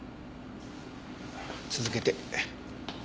続けて。